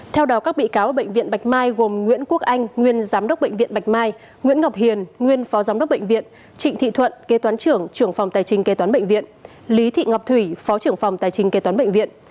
theo đó các bị cáo bệnh viện bạch mai gồm nguyễn quốc anh nguyên giám đốc bệnh viện bạch mai nguyễn ngọc hiền nguyên phó giám đốc bệnh viện trịnh thị thuận kế toán trưởng trưởng phòng tài trình kế toán bệnh viện lý thị ngọc thủy phó trưởng phòng tài trình kế toán bệnh viện